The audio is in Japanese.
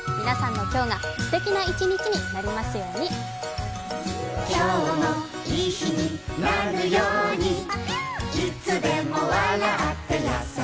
皆さんの今日がすてきな１日になりますように。